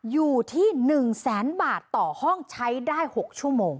อยู่ที่๑แสนบาทต่อห้องใช้ได้๖ชั่วโมง